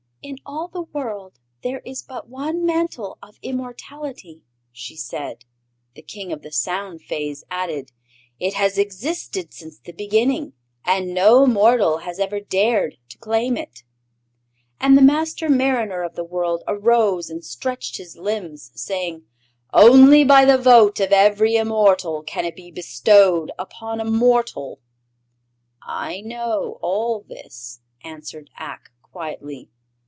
"In all the world there is but one Mantle of Immortality," she said. The King of the Sound Fays added: "It has existed since the Beginning, and no mortal has ever dared to claim it." And the Master Mariner of the World arose and stretched his limbs, saying: "Only by the vote of every immortal can it be bestowed upon a mortal." "I know all this," answered Ak, quietly.